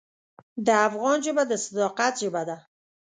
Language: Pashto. د افغان ژبه د صداقت ژبه ده.